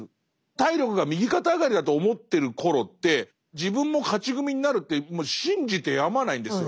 体力が右肩上がりだと思ってる頃って自分も勝ち組になるって信じてやまないんですよね。